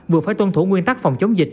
vừa phải tuân thủ nguyên tắc phòng chống dịch